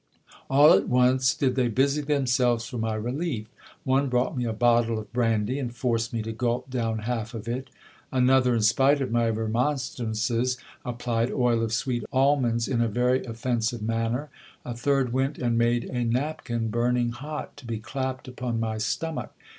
All at once did they busy themselves for my relief. One brought me a bottle of brandy, and forced me to gulp down half of it ; another, in spite of my remon strances, applied oil of sweet almonds in a very offensive manner : a third went and made a napkin burning hot, to be clapped upon my stomach.